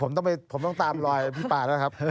ผมต้องไปผมต้องตอบลอยพี่ป่าครับ